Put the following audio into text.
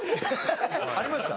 ありました？